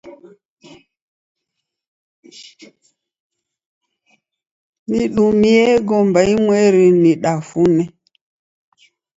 Nidumbue ngomba imweri nidafune.